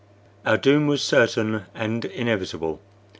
Our doom was certain and inevitable.